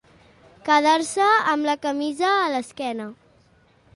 Quedar-se amb la camisa a l'esquena.